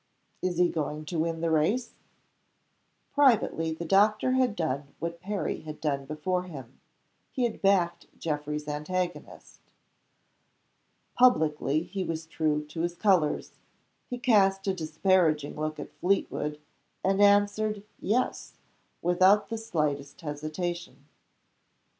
"Is he going to win the race?" Privately the doctor had done what Perry had done before him he had backed Geoffrey's antagonist. Publicly he was true to his colors. He cast a disparaging look at Fleetwood and answered Yes, without the slightest hesitation.